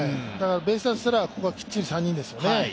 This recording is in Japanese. ベイスターズからしたらここはきっちり３人ですよね。